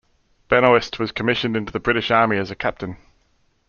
Benoist was commissioned into the British Army as a captain.